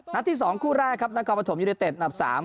นัดที่๒คู่แรกนะครับนักการประถมยุโดยเต็ดอันดับ๓